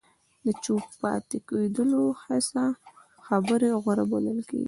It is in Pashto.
د چوپ پاتې کېدلو څخه خبرې غوره بلل کېږي.